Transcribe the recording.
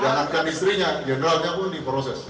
jangankan istrinya generalnya pun diproses